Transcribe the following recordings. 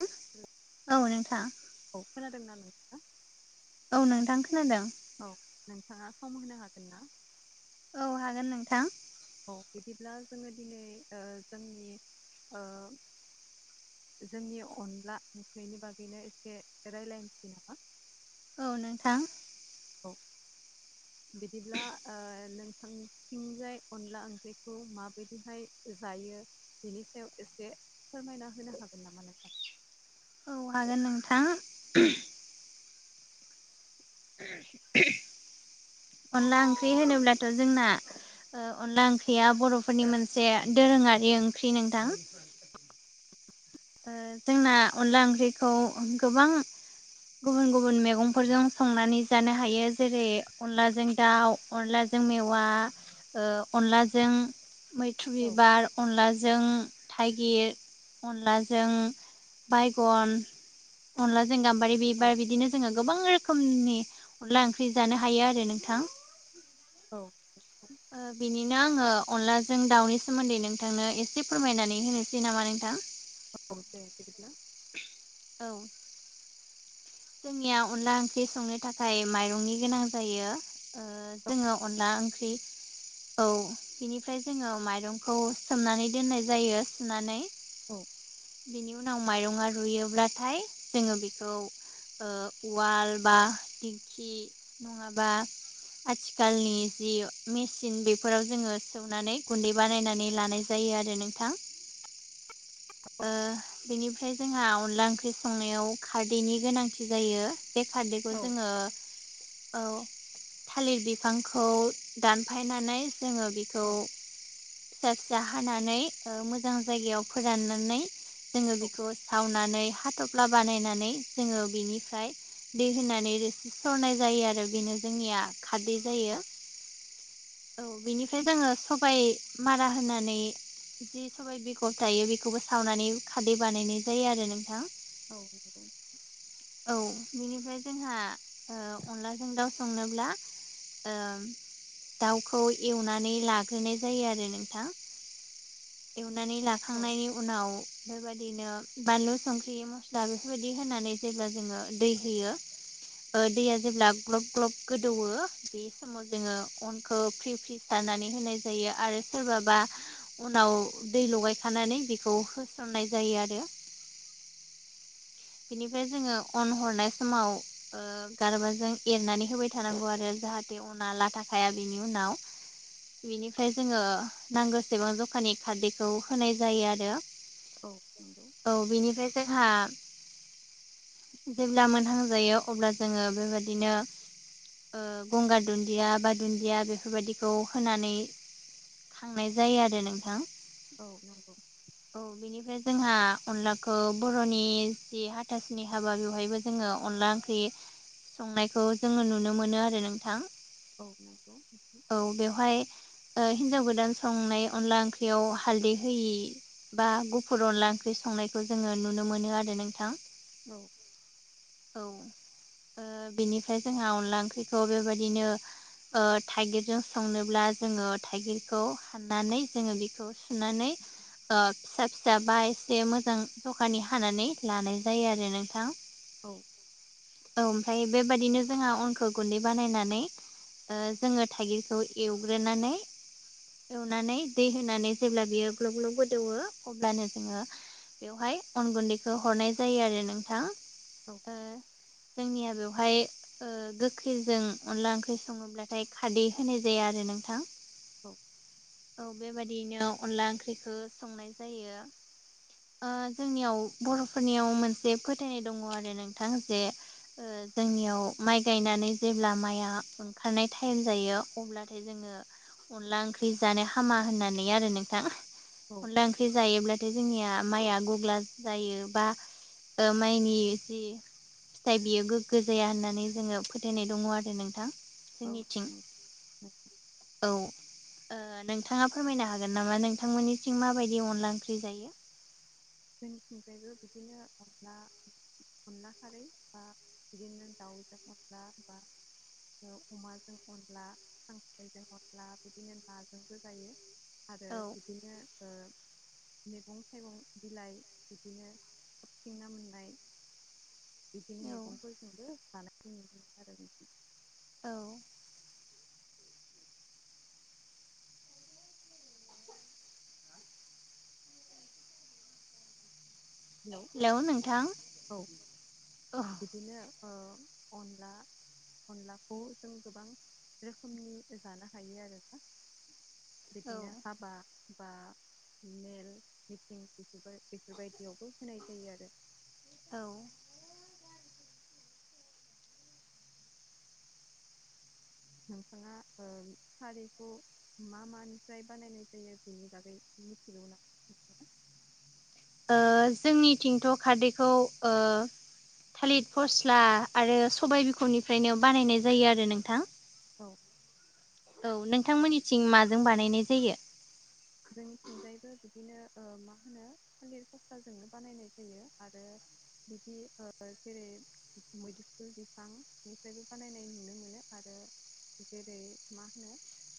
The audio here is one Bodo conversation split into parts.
[inaudible] औ नोंथां औ खोनादोंमोन नोंथाङा? औ नोंथां खोनादों। औ नोंथाङा सम होनो हागोन ना? औ हागोन नोंथां। औ बिदिब्ला जोङो दिनै जोंनि ओ जोंनि अनला नखैनि बागैनो एसे राय्लायनोसै नामा? औ नोंथां औ बिदिब्ला नोंथां थिंजाय अनला ओंख्रिखौ माबायदिहाय जायो? बिनि सायाव एसे फोरमायना होनो हागोन नामा नोंथां? औ हागोन नोंथां अनला ओंख्रि होनोब्लाथ' जोंना अनला ओंख्रिया बर'फोरनि मोनसे दोरोङारि ओंख्रि नोंथां। जोंना अनला ओंख्रिखौ गोबां गुबुन गुबुन मैगंफोरजों संनानै जानो हायो जेरै अनलाजों दाउ अनलाजों मेवा ओ अनलाजों मैथ्रु औ बिबार अनलाजों थागिर अनला जों बायगन अनलाजोंों गाम्बारि औ बिबार बिदिनो जोङो गोबां रोखोमनि अनला ओंख्रि जानो हायो आरो नोंथां। औ बिनिनो आङो अनलाजों दाउनि सोमोन्दै नोंथांनो एसे फोरमायनानै होनोसै नामा नोंथां? औ दे बिदिब्ला औ जोंनिया अनला ओंख्रि संनो थाखाय माइरंनि गोनां जायो। औ जोङो अनला ओंख्रि औ बिनिफ्राय जोङो माइरंखौ सोमनानै दोननाय जायो सुनानै। औ बेनि उनाव माइरङा रुयोब्लाथाय जोङो बेखौ उवाल बा दिंखि नङाबा आथिखालनि जि मेचिन बेफोराव जोङो सौनानै गुन्दै बानायनानै लानाय ज जायो आरो नोंथां। [inaudible] बेनिफ्राय जोंहा अनला ओंख्रि संनायाव खारदैनि गोनांथि जायो बे खारदैखौ औ जोङो औ थालिर बिफांखौ दानफायनानै जोङो बेखौ औ फिसा फिसा हानानै मोजां जायगायाव फोराननानै जोङो बेखौ सावनानै हाथ'फ्ला बानायनानै जोङो बिनिफ्राय दै होनानै रोसि सरनाय जायो आरो बेनो जोंनिया खारदै जायो औ बेनिफ्राय जोङो सबबाय मारा होनानै जि सबाइ बिगर थायो बेखौबो सावनानै खादै बानायनाय जायो आरो नोंथां। औ औ बेनिफ्राय जोंहा अनलाजों दाउ संनोब्ला ओ दाावखौ एवनानै लाग्रोनाय जायो आरो नोंथां। एवनानै लाखांनायनि उनाव बेबायदिनो बानलु संख्रि मस्ला बेफोरबायदि होनानै जेब्ला जोङो दै होयो दैया जेब्ला ग्लब ग्लब गोदौवो बे समाव जोङो अनखौ फ्रि फ्रि सारनानै होनाय जायो आरो सोरबाबा उनाव दै लगायखानानै बेखौ होसननाय जायो आरो बिनिफ्राय जोङो अन हरनाय समाव गारबाजों एरनानै होबाय थानांगौ आरो जाहाथे उना लाथाखाया बिनि उनाव बेनिफ्राय जोङो नांगौसेबां जखानि खारदैखौ होनाय जायो आरो औ नौ औ बेनिफ्राय जोंहा जेब्ला मोनहां जायो अब्ला जोङो बेबायाददिनो गंगार दुन्दिया बा दुन्दिया बेफोरबायाददिखौ होनानै थांनाय जायो आरो नोंथां। औ नंगौ औ बेनिफ्राय जोंहा अनलाखौ बर'नि जि हाथासनि हाबा बेवहायबो जोङो अनला ओंख्रि संनायखौ जोङो नुनो मोनो आरो नोंथां। औ नंगौ औ बेवहाय हिनजाव गोदान संनाय अनला ओंख्रियाव हालदै होयि बा गुफुर अनला ओंख्रि संनायखौ जोङो नुनो मोनो आरो नोंथां। औ औ बिनिफ्राय जोंहा अनला ओंख्रिखौ बेबायदिनो थाइगिरजों संनोब्ला जोङो थाइगिरखौ हाननानै जोङो बेखौ सुनानै फिसा फिसा बा एसे मोजां दखानि हानानै लानाय जायो आरो नोंथां औ ओमफ्राय बेबायदििनो जोंहा अनखौ गुन्दै बानायनानै ओ जोङो थाइगिरखौ एवग्रोनानै एवनानै दै होनानै जेब्ला बियो ग्लब ग्लब गोदौवो अब्लानो जोङो बेवहाय अन गुन्दैखौ हरनाय जायो आरो नोंथां। औ जोंनिया बेवहाय गोखैजों अनला ओंख्रि सङोब्लाथाय खादै होनाय जाया आरो नोंथां। थ बेबायाददियनो अनला ओंख्रिखौ संनाय जायो जोंनियाव बर'फोरनियाव मोनसे फोथायनाय दङ आरो नोंथां जे जोंनियाव माइ गायनानै जेब्ला माइआ ओंखारनाय टाइम जायो अब्लाथाय जोङो अनला ओंख्रि जानो हामा होननानै आरो नोंथां। औ अनला ओंख्रि जायोब्लाथाय जोंनिया माइआ गग्ला जायो बा माइनि जि फिथाइ बियो गोग्गो जाया होननानै जोङो फोथायनाय दङ आरो नोंथां। औ जोंनिथिं उम उम औ नोंथाङा फोरमायनो हागोन नामा नोंथांमोननिसिं माबायदि अनला ओंख्रि जायो। जोंनिथिंजायबो बिदिनो अन्ला अनला खारै बा [unintelligible] अमाजों अनला खांख्रायजों अनला बिदिनो नाजोंबो जायो। आरो औ बिदिनो ओ मैगं थाइगं बिलाइ बिदिनो हाबथिं नना मोननाय बिदिनो मैगंफोर जोंबो जानाय ल आरो बिदि औ हेल' हेलौ नोंथां औ ओ औ बिदिनो अनला अनलाखौ जों गोबां रोखोमनि जानो हायो आरो दा औ बिदिनो हाबा बा मेल मिटिं बेफोर बेफोरबायदियावबो होनाय जायो आरो। औ नोंथाङा ओ सारिखौ मा मानिफ्राय बानायनाय जायो बेनि बागै मिथिगौ ना? ओ जोंनि थिंथ' खारदैखौ ओ थालिरिर फस्ला आरो सबायाइ बिखुरनिफ्रायनो बानायनाय जायो आरो नोंथां। औ औ नोंथांमोननिथिं माजों बानायनाय जायो? जोंनिथिंजायबो बिदिनो मा होनो? थालिर खस्थाजोंनो बानायनाय जायो आरो बिदि जेरै मैदफुल बिफांनिफ्रायबो बानायनाय नुनो मोनो आरो। जेरै मा होनो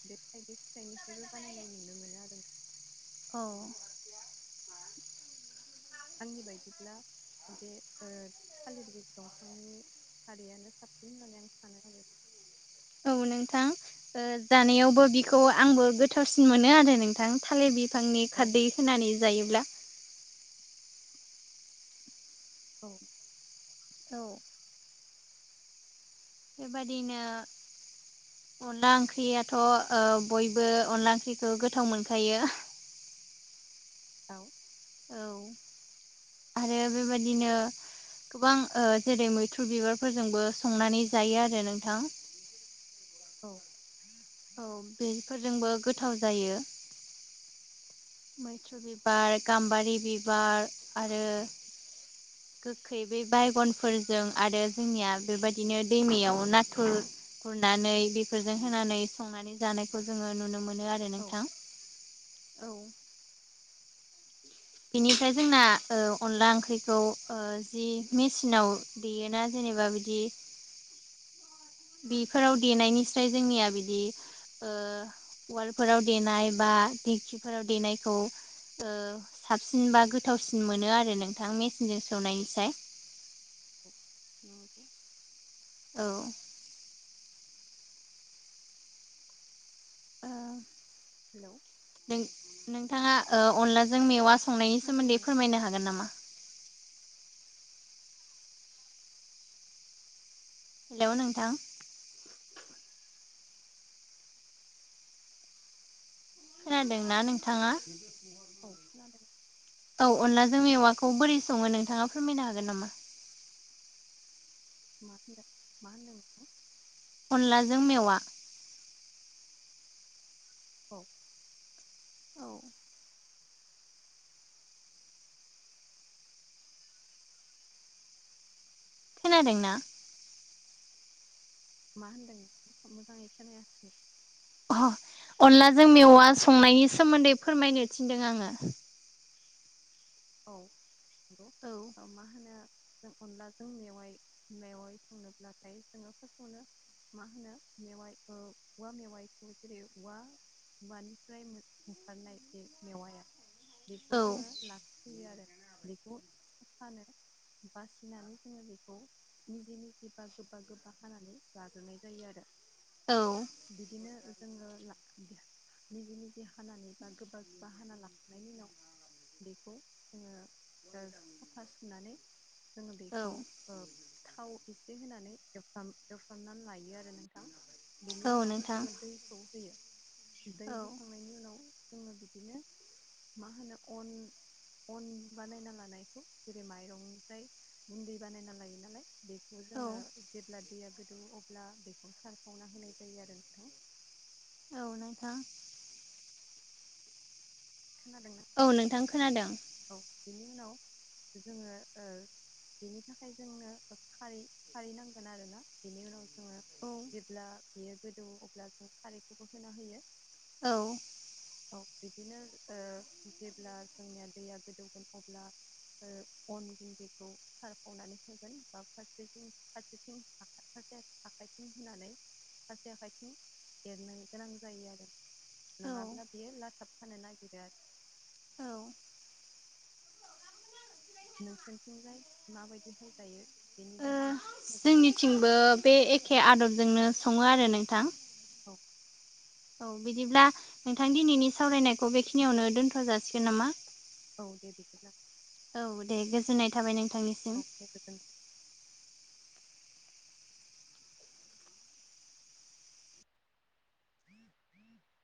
बे थाइगिर फिथाइनिफ्रायबो बानायनाय नुनो मोनो आरो। औ थगि बायदिब्ला बे थालिर बिस दंफांनि खारिैयानो साबसिन होननानै आं सानो आरो। नोंथां जानायावबो बेखौ आंबो गोथावसिन मोनो आरो नोंथां थालिर बिफांनि औ खारदै होनानै जायोब्ला औ औ बेबायादिनो अनला ओंख्रियाथ' बयबो अनला ओंख्रिखौ गोथाव मोनखायो। दाउ औ आरो बेबायादिनो गोबां जेरै मैथ्रुरु बिबारफोरजोंबो संनानै जायो आरो नोंथां। औ औ बेफोरजोंबो गोथाव जायो। मैथ्रु बिबार गाम्बारि बिबार आरो [inaudible] गोखै बे बायगनफोरजों आरो जोंनिया बेबायदिनो दैमायाव नाथुर गुरनानै बेफोरजों होनानै संनानै जानायखौ जोङो नुनो मोनो आरो आरो औ नोंथां औ बिनिफ्राय जोंना अनला ओंख्रिखौ जि मेसिनाव बियो ना जेनेबा बिदि बेफोराव देनायनिस्राय जोंनिया बिदि ओ उवालफोराव देनाय बा दिंखिफोराव देनायखौ साबसिन बा गोथावसिन मोनो आरो नोंथां मेसिनजों सौनायनिसाय। औ औ [inaudible] हेल' नोंथाङा अनलाजों मेवा संनायनि खोनादोंना सोमोन्दै नोंथाङा? फोरमायनो हागोन नामा? हेल' नोंथां खोनादोंना नोंथाङा औ खोनादों औ अनला जों मेवाखौ बोरै सङो नोंथाङा फोरमायनो हागोन नामा? मा होनदों मा होनदों अनलाजों मेवा औ औ खोनादों ना? मा होन्दों मोजाङै खोनायासै। अ अनलाजों मेवा संनायनि सोमोन्दै फोरमायनो थिनदों आङो। औ हौ औ मा होनो जों अनलाजों मेवाइ मेवाइ संनोब्लाथाय जोङो फार्स्टआवनो मा होनो मेवाइ औवा मेवाइखौ जेरै औवा हवानिफ्राय ओखारनाय बे मेवाया बेखौ औ जोङो ला फयो आरो बेखौ फानो बासिनानै जोङो बेखौ मिजि मिजि बा गोबा गोबा हानानै लाग्रोनाय जायो आरो। औ बिदिनो जोङो ला निजि निजि हानानै बा गोबा गोबा हाना लाखनायनि उनाव बेखौ जोङो साफा सुनानै जोङो बेखौ औ ओ थाव एसे होनानै एवफ्राम एवफ्रामनानै लायो आरो नोंथां। बेनि औ उनाव नोंथां जोङो दैखौ होयो दै औ होखांनायनि उनाव जोङो बिदिनो मा होनो अन अन बानायना लानायखौ जेरै माइरंनिफ्राय गुन्दै बानायना लायो नालाय? बेखौ जोङो जेब्ला दैया गोदौ अब्ला बेखौ सारफावना होनाय जायो आरो नोंथां। औ नथां खोनादों ना? औ नोंथां खोनादों। औ बेनि उनाव जोङो ओ बेनि थाखाय जोंनो खै खारै नांगोन आरोोना बेनि उनाव जोङो औ जेब्ला बेयो गोदौ अब्ला जों खारैखौबो होना होयो। औ औ बिदिनो जेब्ला जोंनिया दैया गोदौगोन अब्ला अन गुन्दैखौ सारखावनानै होगोन बा फारसेथिं फारसेथिं फारसे आाइथिं होनानै सासे आाइथिनि एरनो गोनां जायो आरो। नङाब्ला ओ बियो लाथाब थानो नागिरो आरो औ नोंसोरथिंजाय माबायदिहाय जायो बेनि बागै एसे [unintelligible] थंबो बे एखे आदबजोंनो सङो आरो नोंथां। औ औ बिदिब्ला नोंथां दिनैनि सावरायनायखौ बेखिनियावनो दोनथ' जासिगोन नामा? औ दे बिदिब्ला औ दे गोजोननाय थाबाय नोंथांनि [unintelligible] [unintelligible]